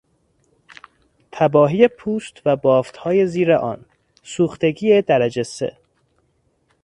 تباهی پوست و بافتهای زیر آن، سوختگی درجه سه